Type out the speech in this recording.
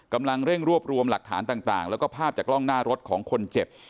กำลังเร่งรวบรวมหลักฐานต่างแล้วก็ภาพจากกล้องหน้ารถของคนเจ็บ